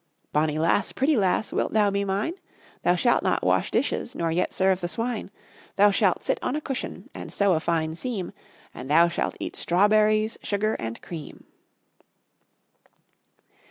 Bonny lass, pretty lass, Wilt thou be mine? Thou shalt not wash dishes Nor yet serve the swine. Thou shalt sit on a cushion And sew a fine seam, And thou shalt eat strawberries, Sugar and cream.